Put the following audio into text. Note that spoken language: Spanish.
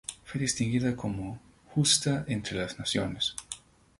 Fue distinguida como "Justa entre las naciones".